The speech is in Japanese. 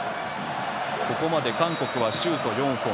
ここまで韓国はシュート４本。